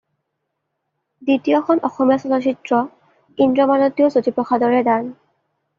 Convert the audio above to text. দ্বিতীয়খন অসমীয়া চলচ্চিত্ৰ ‘ইন্দ্ৰমালতী’ও জ্যোতিপ্ৰসাদৰে দান।